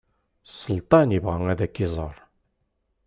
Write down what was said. Selṭan ibɣa ad ak-iẓer.